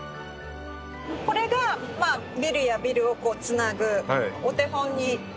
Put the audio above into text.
これがビルやビルをつなぐお手本になってると。